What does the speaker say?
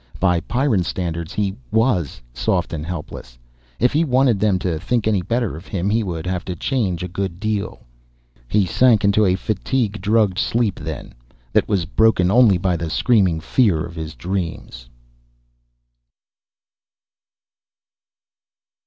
By Pyrran standards he was soft and helpless. If he wanted them to think any better of him, he would have to change a good deal. He sank into a fatigue drugged sleep then, that was broken only by the screaming fear of his dreams.